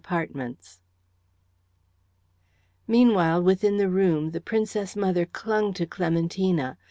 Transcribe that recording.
CHAPTER XIII Meanwhile within the room the Princess mother clung to Clementina.